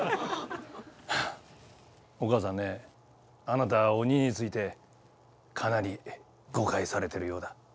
お母さんねあなた鬼についてかなり誤解されてるようだ。